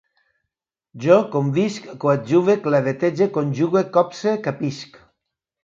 Jo convisc, coadjuve, clavetege, conjugue, copse, capisc